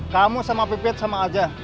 kamu sama pepet sama aja